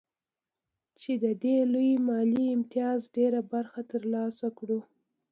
چې د دې لوی مالي امتياز ډېره برخه ترلاسه کړو